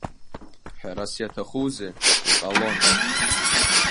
Ҳәарас иаҭахузеи, иҟалон.